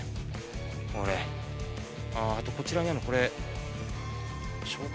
あとこちらにあるのこれ。